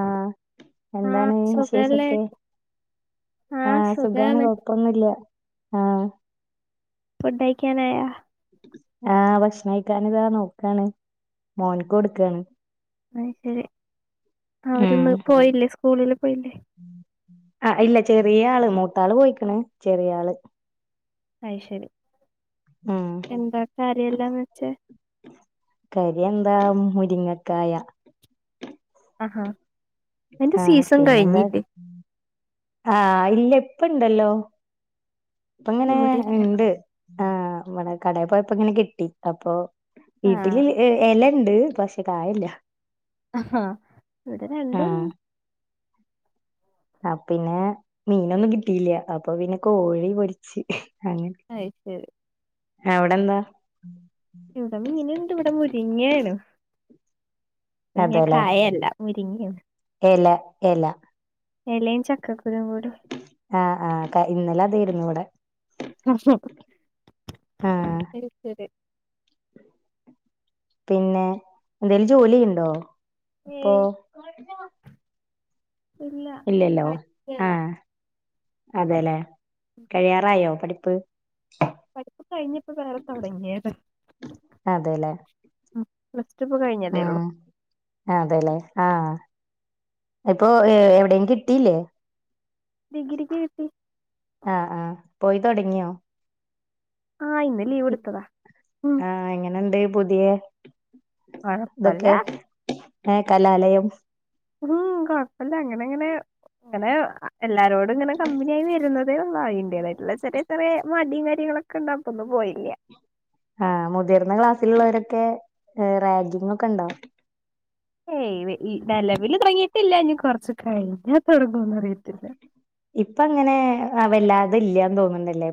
ആഹ ആ എന്താണ് സുഖല്ലേ വിശേഷൊക്കെ ആഹ് സുഖാണ് ക്കൊ പ്പൊന്നില്ല ആഹ്. ഫുഡായ് ക്കാനായ? ആഹ് ഭക്ഷണം കഴിക്കാൻതാ നോക്കാണ് മോൻക്ക് കൊടുക്കണ്. ആ ശരി ഉം അവര്ന്ന് പോയില്ലേ സ്കൂളില് പോയില്ലേ? ആ ഇല്ല ചെറിയ ആള് മൂത്താള് പോയിക്കണ് ചെറിയ ആള്. അയി ശരി ഉം എന്താ കാര്യല്ലാന്ന് വെച്ചെ? കരി എന്താ മുരിങ്ങക്കായ. ആഹാ അയ്‌ന്റെ ആഹ് സീസൺ പിന്നെന്താ കഴിഞ്ഞില്ലേ? ആഹ് ഇല്ല ഇപ്പണ്ടല്ലോ ഇപ്പ ഇങ്ങനെ ഇവിടെ ഇല്ല ഇണ്ട്. ആഹ് ഇവിടെ കടെ പോയപ്പങ്ങനെ കിട്ടി അപ്പൊ ആഹ് വീട്ടില് എല എലക്കെ ണ്ട് പക്ഷെ കായില്ല. ആഹാ ഇവിടെ രണ്ടും ആ പിന്നെ മീനൊന്നും കിട്ടീല്ല അപ്പൊ പിന്നെ കോഴി പൊരിച്ച് അങ്ങ. അയ്‌ ശരി. അവിടെന്ത? ഇവിടെ മീനുണ്ട് ഇവിടെ മൊരിങ്ങയാണ്. മുരിങ്ങ അതെല്ലേ കായല്ല മുരിങ്ങിയാണ്. എല എല. എലേം ചക്കക്കുരു കൂടേ. ആഹ് ആ ക ഇന്നലെതെരുന്നുവടെ. ആഹ് അത്ശരി പിന്നെ എന്തേലും ജോലി ഉണ്ടോ? ഏയ് ഇപ്പൊ- ഇല്ല ഇല്ലല്ലോ ആ പഠിക്കാണ് അതെലേ കഴിയാറായോ പഠിപ്പ്?. പഠിപ്പ് കഴിഞ്ഞപ്പോ വേറെ തൊടങ്ങിയത.. അതെല്ലേ ഉം പ്ലാസ്‌റ്റു പ്പ കഴിഞ്ഞതേ ഉള്ളൂ. ആ അതെല്ലേ ആഹ് ഇപ്പൊ എവിട കിട്ടീല്ലേ? ഡിഗ്രിക്ക് കിട്ടി. ആഹ് ആ പോയി തൊടങ്ങിയോ? ആഹ് ഇന്ന്. ലീവ് എടുത്തതാ ഉം ആഹ് എങ്ങനുണ്ട് പുതിയ കൊഴപ്പല്ല ഇതൊക്കെ? ഏഹ് കലാലയം ഉം കൊഴപ്പില്ല അങ്ങനെങ്ങനെ അങ്ങനെ എല്ലാരോടങ്ങനെ കമ്പനിയായി വരുന്നതെയുള്ളൂ അയിന്റെതായിട്ടുള്ള ചെറി ചെറചെറിയ മടിയും കാര്യങ്ങളൊക്കെ. ക്കണ്ട പ്പൊന്നും പോയില്ലേ ആഹ് മുതിർന്ന ക്ലാസ്സിലുള്ളവരൊക്കെ റാഗിങ് ഒക്കെണ്ടാവും. ഏയ് ഈ നിലവില് തൊടങ്ങിയിട്ടില്ല ഇഞ്ഞ കൊറച്ച കഴിഞ്ഞാ തൊടങ്ങുംന്ന് അറിയത്തില്ല. ഇപ്പ അങ്ങനെ വല്ലാതെ ഇല്ലാന്ന് തോന്നണ്ടല്ലേ.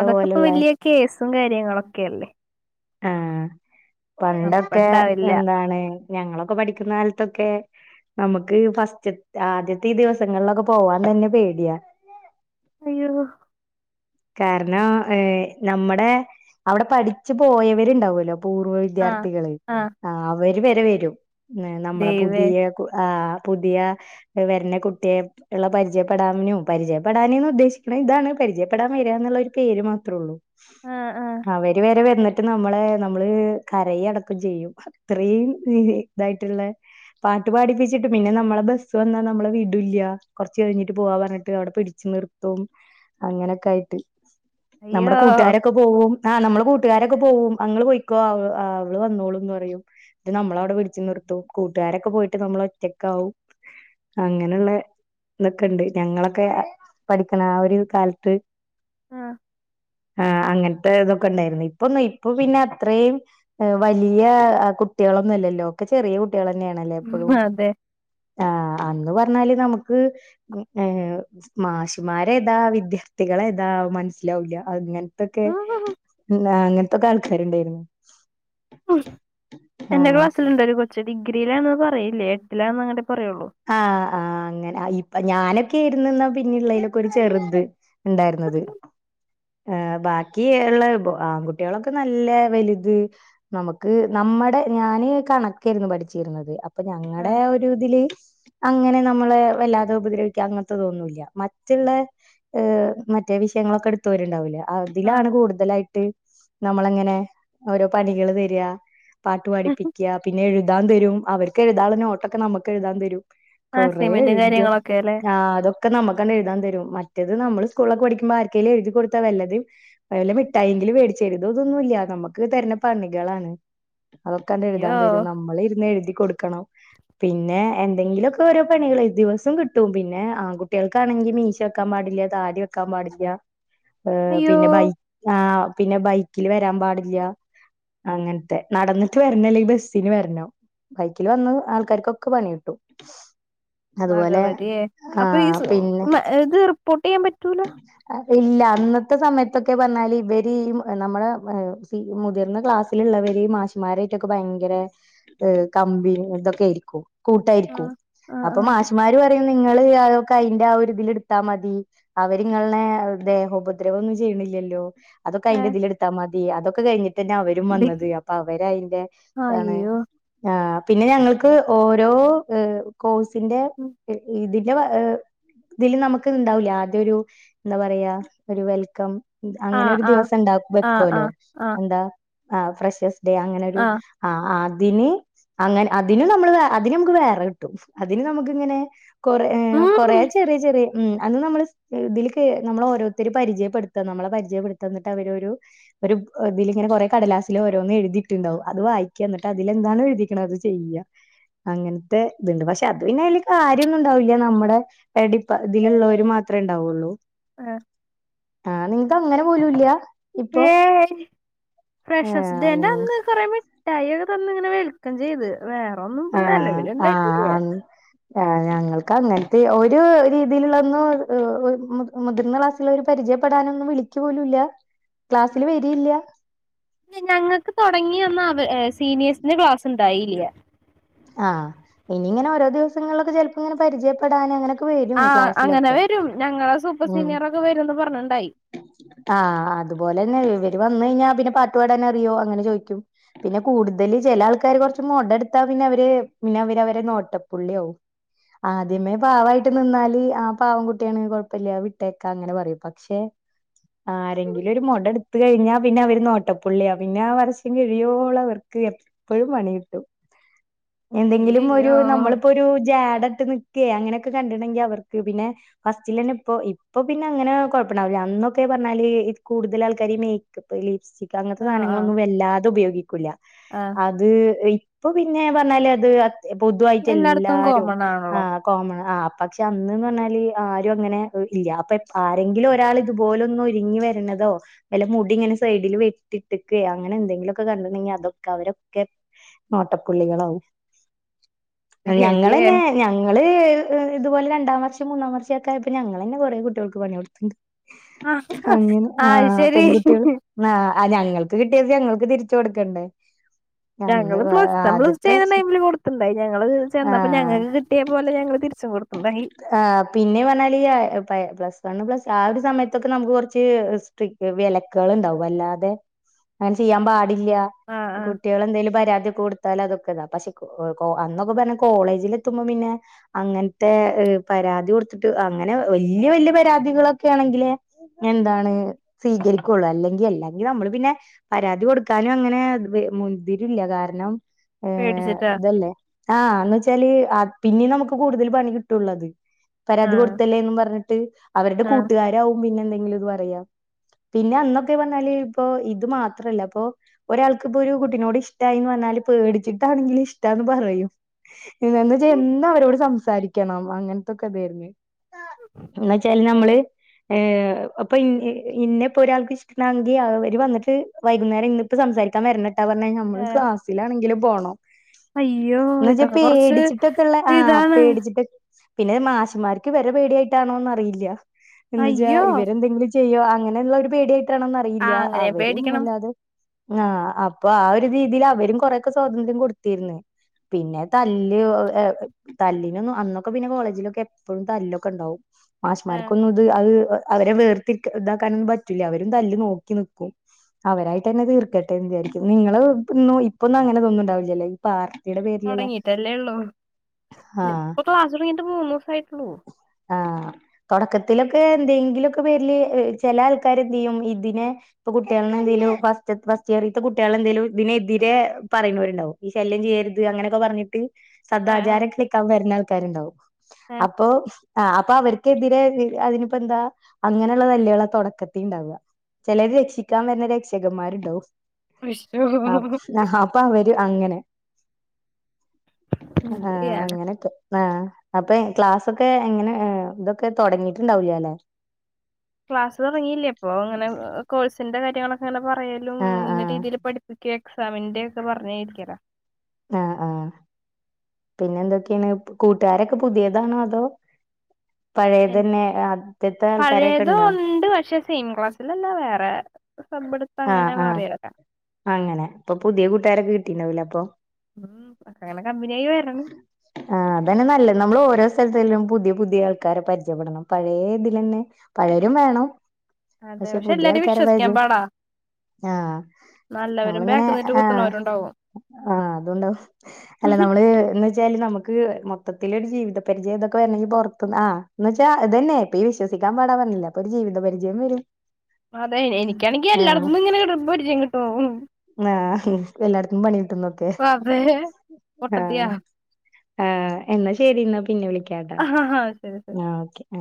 അതൊക്കെ ഇപ്പോ വലിയ കേസും കാര്യങ്ങളൊക്കെയല്ലേ. ആഹ് പണ്ടൊക്കെ ഇണ്ടാവില്ല എന്താണ് ഞങ്ങളൊക്കെ പഠിക്കുന്ന കാലത്തൊക്കെ നമുക്ക് ഫസ്റ്റ്ത്തെ ആദ്യത്തെ ഈ ദിവസങ്ങളിലൊക്കെ പോവാൻ തന്നെ പേടിയാ. അയ്യോ കാരണം ഏഹ് നമ്മടെ അവിടെ പഠിച്ചു പോയവരുണ്ടാവൂലോ പൂർവ വി ആ വിദ്യാർത്ഥികള് ആ അവര് വരെ വരും നമ്മളെ ദൈവേ പുതിയ ആ.. പുതിയാ വരുന്ന കുട്ടിയെ ഉള്ള പരിചയപ്പെടാനും പരിചയപ്പെടാനേന്ന് ഉദ്ദേശിക്കണേ ഇതാണ് പരിചയ പ്പെടാൻ വരാ എന്നാ പേര് മാത്രൊള്ളൂ ആ ആ അവര് വരെ വന്ന ട്ട് നമ്മളെ നമ്മള് കരയടക്കം ചെയ്യും അത്രയും ഇതായിട്ടുള്ള പാട്ടു പാടിപ്പിച്ചിട്ട് പിന്നെ നമ്മളെ ബസ് വന്നാ നമ്മളെ വിടുല്ല കുറച്ച് കഴിഞ്ഞിട്ട് പോവാ പറഞ്ഞിട്ട് അവിടെ പിടിച്ച് നിർ ത്തും അങ്ങനെയൊക്കായിട്ട് നമ്മുടെ അയ്യോ കൂട്ടുകാരൊ ക്കെ പോവും ആഹ് നമ്മളുടെ കൂട്ടുകാരൊക്കെ പോകും അങ്ങള് പോയിക്കോ അവ അവള് വന്നോളൂന്ന് പറയും. നമ്മളവിടെ പിടിച്ചു നിർത്തും കൂട്ടുകാരൊക്കെ പോയിട്ട് നമ്മള് ഒറ്റക്കാവും. അങ്ങനെയുള്ള ഇതൊക്കെ ഉണ്ട് ഞങ്ങളൊക്കെ പഠിക്കണ ആഹ് ഒരു കാലത്ത് ആഹ് ആഹ് അങ്ങനത്തെ ഇതൊക്കെ ഉണ്ടായിരുന്നു ഇപ്പൊ ഇപ്പൊ പിന്നെ അത്രയും വലിയ കുട്ടികളൊന്നും ഇല്ലല്ലോ ഒക്കെ ചെറിയ കുട്ടികൾ തന്നെയാണല്ലേ ഉം ഇപ്പഴും. അതെ ആഹ് അന്ന് പറഞ്ഞാല് നമുക്ക് ഏഹ് മാഷുമ്മാര് ഏതാ വിദ്യാർ ത്‌ഥികളേതാ മനസ്സിലാവൂല്ല അങ്ങനത്തൊക്കെ ഉം അങ്ങനത്തൊക്കെ ആൾക്കാരുണ്ടായിരുന്നു. എന്റെ ആഹ് ക്ലാസ്സിലുണ്ട് ഒരു കൊച്ച് ഡിഗ്രിയിലാണെന്ന് പറയില്ല എട്ടിലാന്ന് അങ്ങട് പറയുള്ളൂ. ആഹ് ആഹ് [inaudible] അങ്ങനെ ഇപ്പ ഞാനൊക്കെ ആയിരുന്നു എന്നാ പിന്നെയുള്ളതിലൊക്കെ ഒരു ചെറുത് ഉണ്ടായിരുന്നത്. ബാക്കി ഉള്ള ആൺകുട്ടികളൊക്കെ നല്ല വലുത്. നമുക്ക് നമ്മടെ ഞാന് കണക്കായിരുന്നു പഠിച്ചിരുന്നത് അപ്പൊ ഞങ്ങളടെ ആഹ് ഒരു ഇതില് അങ്ങനെ നമ്മളെ വല്ലാതെ ഉപദ്രവിക്ക അങ്ങനത്തെ ഇതൊന്നൂല്ല മറ്റുള്ള ഏഹ് മറ്റേ വിഷയങ്ങളൊക്കെ എടുത്തുവരുണ്ടാവൂലാ ആഹ് അതിലാണ് കൂടുതലായിട്ട് നമ്മളങ്ങനെ ഓരോ പണികള് തരാ. പാട്ടു പഠിപ്പിക്കാ പിന്നെ എഴുതാൻ തരും അവർക്ക് എഴുതാനുള്ളള നോട്ടൊക്കെ നമുക്ക് എഴുതാൻ തരും. കൊറേ അസൈൻമെന്റും എഴുതും കാര്യങ്ങളൊക്കെ അല്ലേ ആഹ് അതും ഒക്കെ നമുക്കങ്ങട് എഴുതാൻ തരും മറ്റത് നമ്മള് സ്കൂളിലൊക്കെ പഠിക്കുമ്പേ ആർക്കെങ്കിലും എഴുതി കൊടുത്താ വല്ലതും വെല്ല മിഠായെങ്കിലും മേടിച്ചു തരും ഇതതൊന്നൂല്ല നമുക്ക് തരണ പണികളാണ്. അതൊക്കെങ്ങട് എഴുതാൻ അയ്യോ തരും നമ്മള് ഇരുന്ന് എഴുതി കൊടുക്കണം പിന്നെ എ എന്തെങ്കിലൊക്കെ ഓരോ പണികള് ദിവസോം കിട്ടും പിന്നെ ആൺകുട്ടികള് ആണെങ്കിൽ മീശ വെക്കാൻ പാടില്ല താടി വെക്കാൻ പാടില്ല. [inaudible] ഏഹ് പിന്നെ ബൈ ആഹ് പിന്നെ ബൈക്കിൽ വരാൻ പാടില്ല. അങ്ങനത്തെ നടന്നിട്ട് വരണം അല്ലെങ്കിൽ ബസ്സിന് വരണം. ബൈക്കിൽ വന്ന് ആൾക്കാർക്കൊക്കെ പണി കിട്ടും. അതുപോലെ ഭഗവതിയെ അപ്പൊ ഈ ആഹ് സ് പിന്നെ ഇത് റിപ്പോർട്ട് ചെയ്യാൻ പറ്റൂലാ. ഇല്ല അന്നത്തെ സമയത്തൊക്കെ പറഞ്ഞാല് ഇവര് ഈ നമ്മളെ ഈ മുതിർന്ന ക്ലാസ്സിലുള്ളവര് മാഷുമ്മാരായിട്ടൊക്കെ ഭയങ്കര ഏഹ് കമ്പനി ഇതൊക്കെയായിരിക്കും. കൂട്ടായിരിക്കും. ആഹ് ആഹ് അപ്പൊ ആഹ് മാഷിമാര് പറയും നിങ്ങള് അതൊക്കെ അയിന്റെ ഒരിതില് എടുത്താ മതി. അവരിങ്ങളിനെ ദേഹോപദ്രവം ഒന്നും ചെയ്യണില്ലല്ലോ. അതൊക്കെ അതിന്റെ ഏഹ് ഇതില് എടുത്താ മ തി അതൊക്കെ കഴിഞ്ഞിട്ട് തന്നെയാ അവരും ഡി വന്നത് അപ്പൊ അവര് അതിന്റെ ഇതാണ് അയ്യോ ആഹ് പിന്നെ ഞങ്ങൾക്ക് ഓരോ ഏഹ് കോഴ് ഇതിന്റെ ഇതിന്റെ ഇതില് നമുക്ക് ഇത് ഇണ്ടാവൂല്ലെ ൻ്റൊരു എന്താ പറയാ ഒരു വെൽക്കം അങ്ങനെ ആഹ് ഒരു ആഹ് ദിവസം ഉണ്ട ആഹ് വെക്കല്ലോ ആഹ് ആഹ് എന്താ ഫ്രഷേസ് ഡേ അങ്ങനെരു ആഹ് ആഹ് അതിന് അങ്ങനെ അതിന് നമ്മള് വ അതിന് നമുക്ക് വേറെ കിട്ടും അതിന് നമുക്ക് ഇങ്ങനെ കൊറേ കൊറെ ഉം ചെറിയ ചെറിയ ഉം അന്ന് നമ്മള് ഇതിൽ നമ്മള ഓരോരുത്തർ പരിചയപ്പെടുത്താം നമ്മളെ പരിചയപ്പെടുത്ത എന്നിട്ട് അവര് ഒരു ഒരു ഇതില് ഇങ്ങനെ കൊറെ കടലാസില് ഓരോന്ന് എഴുതിട്ടുണ്ടാകും അത് വായിക്കാ എന്നിട്ട് അതി എന്താണ് എഴുതി ണത് ചെയ്യാ അങ്ങനത്തെ ഇതുണ്ട്. പക്ഷെ അത് പിന്നെ അതില് കാര്യമൊന്നും ഉണ്ടാവൂല്ല നമ്മുടെ എടിപ്പ ഇതിൽ ഉള്ളൊര് മാത്രമേ ഉണ്ടാവുള്ളൂ ആഹ് ആഹ് നിങ്ങക്ക് അങ്ങനെ പോലും ഇല്ല ഇപ്പൊ ഏയ് ആ ഫ്രഷസ്ഡേന്റെ അന്ന് കുറെ മി മിട്ടായി ഒക്കെ തന്ന് ഇങ്ങനെ വെൽക്കം ചെയ്ത് വേറെ ഒന്നും നിലവില് ഉണ്ടായിട്ടില്ല ആഹ് ഞങ്ങൾക്ക് അങ്ങനത്തെ ഒരു രീതിയിലുള്ളൊന്ന മുതിർന്ന പരിചയപ്പെടാനൊന്നും വിളിക്കു പോലുംഇല്ല ക്ലാസ്സിൽ വരിയില്ല ഞങ്ങൾക്ക് തുടങ്ങിന്ന് അവ സീനിയേഴ്സിന്റെ ക്ലാസ് ഉണ്ടായില്ല ആഹ് ഇനി ഇങ്ങനെ ഓരോ ദിവസങ്ങളിലൊക്കെ ചെലപ്പോ ഇങ്ങനെ പരിചയപ്പെടാനൻ അങ്ങനെ ഒക്കെ ആഹ് അങ്ങനെ വരും ഞങ്ങളെ സൂപ്പർ ഉം സീനിയർ ഒക്കെ വരുന്ന് പറഞ്ഞുട്ടുണ്ടായി ആഹ് അതുപോലെന്നെ ഇവര് വന്ന കഴിഞ്ഞാ പിന്നെ പാട്ടുപാടാൻ അറിയോ അങ്ങനെ ചോദിക്കും പിന്നെ കൂടുതല് ചില ആൾക്കാര് കുറച്ച് മുട എടുത്താ പിന്നെ അവര് പിന്നെ അവര് അവരെ നോട്ടപ്പുള്ളിയാവും ആദ്യമേ പാവായിട്ട് നിന്നാല് ആഹ് പാവം കുട്ടിയാണ് കുഴപ്പം കുഴപ്പം ഇല്ലാ വിട്ടേക്കാ അങ്ങനെ പറയും പക്ഷെ ആരെങ്കിലും ഒരു മുട എടുത്ത് കഴിഞ്ഞാ പിന്നെ അവര് നോട്ടപ്പുള്ളിയാ പിന്നെ ആഹ് വർഷം കഴിയോളം അവർക്ക് എപ്പോഴും പണി കിട്ടും എന്തെങ്കിലും ഒരു അയ്യയ്യോ നമ്മളിപ്പോ ഒരു ജാഡട്ട് നിക്ക നിക്കേ അങ്ങനെയൊക്കെ കണ്ടിട്ടുണ്ടെൻങ്കിൽ അവർക്ക് പിന്നെ ഫസ്റ്റിൽ തന്നെ ഇപ്പൊ ഇപ്പൊ പിന്നെ അങ്ങനെ കുഴപ്പണ്ടാവില്ല അന്നൊക്കെ പറഞ്ഞാല് കൂടുതൽ ആൾക്കാര് മേ ക്കപ്പ് ലിപ്സ്റ്റിക് അങ്ങനത്തെ ആഹ് ആഹ് സാധനങ്ങളൊന്നും വല്ലാതെ ഉപയോഗിക്കൂല്ല ആഹ് അത് ഇപ്പൊ പിന്നെ പറഞ്ഞാല് അത് പൊതുവായിട്ട് എല്ലായിടത്തും എല്ലാരും കോമൺ ആണല്ലോ ആഹ് കോമൺ ആഹ് പക്ഷെ അന്ന് പറഞ്ഞാല് ആരും അങ്ങനെ ഇല്ല അപ്പൊ ആരെങ്കിലും ഒരാൾ ഇതുപോലൊന്ന് ഒരുങ്ങി വരണതോ വല്ല മുടി ഇങ്ങനെ സൈഡിൽ വെട്ടിട്ട്ക്കെ അങ്ങനെ എന്തെങ്കിലൊക്കെ കണ്ടിട്ടുണ്ടെങ്കിൽ അതൊക്കെ അവരൊക്കെ നോട്ടപ്പുള്ളികളാവും ബേബിയേ ഞങ്ങളന്നെ ഞങ്ങള് ഇതുപോലെ രണ്ടാം വർഷം മൂന്നാം വർഷൊക്കെ ആയപ്പോ ഞങ്ങൾ ഞങ്ങളെന്നെ കൊറെ കുട്ടികൾക്ക് പണി കൊടുത്ത്ണ്ട് ആഹ് അങ്ങനെ അത് ആഹ് ശരി പെൺകുട്ടികൾ ആഹ് ഞങ്ങൾക്ക് കിട്ടിയത് ഞങ്ങൾക്ക് തിരിച്ചു കൊടുക്കണ്ടേ അന്ന് ഞങ്ങള് പ്ലസ്സ് വൺ പ്ലസ് ടു ആദ്യത്തെ എഴുതുന്ന വർഷം ടൈമില് കൊടുത്തുണ്ടായി ഞങ്ങള് ചെന്നപ്പോ ആഹ് ഞങ്ങൾക്ക് കിട്ടിയ പോലെ ഞങ്ങള് തിരിച്ചും കൊടുത്തു [unintelligible] ആഹ് പിന്നെ പറഞ്ഞാല് പ്ലസ് വണ്ണ് പ്ലസ് ആഹ് ഒരു സമയത്തൊക്കെ നമുക്ക് കുറച്ച് സ്ട്രി വിലക്കുകൾ ഉണ്ടാവും വല്ലാതെ അങ്ങനെ ചെയ്യാൻ പാടില്ല ആഹ് ആഹ് കുട്ടികളെന്തെലും പരാതി കൊടുത്താലൽ അതൊക്കെതാ പക്ഷേ അന്നൊക്കെന്ന് പറഞ്ഞാൽ കോളേജിൽ എത്തുമ്പോ പിന്നെ അങ്ങനത്തെ പരാതി കൊടുത്തിട്ട് അങ്ങനെ വല്യ വല്യ പരാതികളൊക്കെ ആണെങ്കില് എന്താണ് സ്വീകരിക്കുള്ളു അല്ലെങ്കിൽ അല്ലെങ്കിൽ നമ്മള് പിന്നെ പരാതി കൊടുക്കാനും അങ്ങനെ മുതിരില്ല. കാരണം ഏഹ് പേടിച്ചിട്ടാ ഇതല്ലേ, ആഹ് എന്ന് വെച്ചാല്, പിന്നെ നമുക്ക് കൂടുതൽ പണി കിട്ടുള്ളത്. പരാതി ആഹ് കൊടുത്തല്ലേന്ന് പറഞ്ഞ ട്ട് അവരുടെ ആഹ് കൂട്ടുകാരാവും പിന്നെ എന്തെങ്കിലും ഇത് പറയാ. പിന്നെ അന്നൊക്കെ പറഞ്ഞാല്, ഇപ്പൊ ഇത് മാത്രല്ല അപ്പൊ, ഒരാൾക്കിപ്പോ ഒരു കുട്ടീനോട് ഇഷ്ടമായിന്ന് പറഞ്ഞാല്, പേടിച്ചിട്ടാണെങ്കിലും ഇഷ്ടാന്ന് പറയും. എന്താന്ന് വെച്ചാ എന്നും അവരോട് സംസാരിക്കണം, അങ്ങനത്തൊക്കെ ഇതായിരുന്ന്. എന്ന് വെച്ചാല്, നമ്മള് ഏഹ് അപ്പൊ ഇൻ ഇന്നെ ഇപ്പൊ ഒരാൾക്ക് ഇഷ്ടണാങ്കിൽ അവര് വന്നിട്ട്, വൈകുന്നേരം ഇന്നിപ്പം സംസാരിക്കാൻ വരിന്നിട്ടാ പറഞ്ഞ, നമ്മള് ഏഹ് ക്ലാസ്സിലാണെങ്കിലും പോണം. അയ്യോ എന്ന് വച്ചാ ഇതൊക്കെ കൊറച്ച് പേടിച്ചിട്ടൊക്കെ ഉള്ള ആഹ് ഇതാണ് പേടിച്ചിട്ട്. പിന്നെ മാഷുമാർക്ക് ഇവരെ പേടിയായിട്ടാണോന്ന് അറിയില്ല. എന്ന് വെച്ചാ അയ്യോ ഇവരെന്തെങ്കിലും ചെയ്യോ അങ്ങനെയുള്ള ഒരു പേടിയായിട്ടാണോന്ന് അറിയില്ല. ആഹ് അങ്ങനെ അവരും പേടിക്കണം അല്ലാതെ ആഹ് അപ്പൊ ആ ഒരു രീതിയിൽ അവരും കൊറെക്കെ സ്വാതന്ത്ര്യം കൊടുത്തിരിന്ന്. പിന്നെ തല്ല്, ഏഹ് തല്ലിനൊന്നു അന്നൊക്കെ പിന്നെ കോളേജിലൊക്കെ എപ്പോഴും തല്ലൊക്കെ ഉണ്ടാവും. ആഹ് മാശുമാർക്കൊന്നും ഇത് അത് അവരെ വേർത്തി ഇതാക്കാനൊന്നും പറ്റൂല. അവരും തല്ല് നോക്കി നിക്കും. അവരായിട്ട് തന്നെ തീർക്കട്ടേന്ന് വിചാരിക്കും. നിങ്ങള് ഇന്ന് ഇപ്പൊന്നും അങ്ങനെ തൊന്നും ഉണ്ടാവില്ലല്ലേ. പാർട്ടിയുടെ പേരിലുള്ള, തൊടങ്ങിട്ടല്ലേ ആഹ്. ക്ലാസ്സ് തുടങ്ങിയിട്ട് മൂന്ന് ദിവസം ആയിട്ടുള്ളു. ആഹ് [inaudible] തൊടക്കത്തിലൊക്കെ എന്തെങ്കിലുമൊക്കെ പേരില്, ചെല ആൾക്കാര് എന്ത് ചെയ്യും, ഇതിനെ ഇപ്പൊ കുട്ടികളിനെ എന്തേലും, ഫസ്റ്റ് ഫസ്റ്റ് ഇയറിലത്തെ കുട്ടികള് എന്തേലും ഇതിനെതിരെ പറയുന്നവരുണ്ടാവും. ഈ ശല്യം ചെയ്യരുത് അങ്ങനെയൊക്കെ പറഞ്ഞിട്ട്. ആഹ് ആഹ് സദാചാരം കളിക്കാൻ വരുന്ന ആൾക്കാരുണ്ടാവും. ആഹ് അപ്പൊ ആഹ് അപ്പൊ അവർക്കെതിരെ അതിനിപ്പോ എന്താ അങ്ങനെയുള്ള തല്ലുകളാ തുടക്കത്തിൽ ഉണ്ടാവുക. ചിലര് രക്ഷിക്കാൻ വരുന്ന രക്ഷകൻമാരുണ്ടാവും. ആഹ് വിഷു ആഹ് അപ്പം അവര് അങ്ങനെ. എന്ത് ആഹ് ചെയ്യാന അങ്ങനക്കെ. ആഹ് അപെ ക്ലാസ്സൊക്കെ അങ്ങനെ ഇതൊക്കെ തുടങ്ങീട്ടുണ്ടാവൂല്ല അല്ലേ. ക്ലാസ് തുടങ്ങിയില്ല. ഇപ്പൊ അങ്ങനെ കോഴ്സിന്റെ കാര്യങ്ങളൊക്കെ അങ്ങനെ പറ റയലും ആഹ് ഇന്ന ആഹ് രീതിയില് പഠിപ്പിക്കുക എക്സാമിന്റെ ഒക്കെ പറഞ്ഞരിക്കല. ആഹ് ആഹ്. പിന്നെ എന്തൊക്കെണ്. കൂട്ടുകാരൊക്കെ പുതിയതാണോ അതോ? നും പഴയതന്നെ ആദ്യത്തെ ആൾക്കാരൊക്കെ പഴയതും ഉണ്ടോ ഉണ്ട്, പക്ഷെ സെയിം ക്ലാസ്സിലല്ലാ വേറെ. സബ് എടുത്ത് ആഹ് അങ്ങനെ ആഹ് മാറിയവരാ. അങ്ങനെ ഇപ്പൊ പുതിയ കൂട്ടുകാരൊക്കെ കിട്ടുണ്ടാവൂല്ലേ അപ്പൊ? ഉം എക്ക അങ്ങനെ കമ്പിനിയായി വ [inaudible] ആഹ് അതന്നെ നല്ലത്. നമ്മള് ഓരോ സ്ഥലത്തിലും പുതിയ പുതിയ ആൾക്കാരെ പരിചയപ്പെടണം. പഴേ ഇതില് തന്നെ പഴയരും വേണം, അതെ പക്ഷെ പുതിയ എല്ലാരും ആൾക്കാരെ വിശ്വസിക്കാൻ പരിചയ പാടാ ആഹ് നല്ലവരും മോളിങ്ങനെ ബാക്ക് നിന്നിട്ട് ആഹ് കുത്തുന്നവരും ഉണ്ടാവും ആഹ് അതുകൊണ്ട് അല്ല നമ്മള് ഏഹ് എന്ന് വെച്ചാല്, നമുക്ക് മൊത്തത്തിലൊരു ജീവിത പരിചയം ഇതൊക്കെ വരണെങ്കിൽ പുറത്തൂന്ന് ആഹ് എന്ന്‌ വെച്ചാ ഇതന്നെ. ഇപ്പം ഈ വിശ്വസിക്കാൻ പാടാന്ന് പറഞ്ഞില്ലേ. അപ്പോ ഒരു ജീവിത പരിചയം വരും. അതെ എനിക്കാണെങ്കി ആഹ് എല്ലായിടത്തുംന്ന് ഇങ്ങനെ പരിചയം കിട്ടും. ആഹ് എല്ലായിടത്തും പണികിട്ടുന്നൊക്കെ. അതേ. ആഹ് ആഹ് എന്നാ ശരി എന്നാ പിന്നെ വിളിക്കാട്ടാ. ആഹ് ശരി ശരി. ആ ഓക്കെ ആ.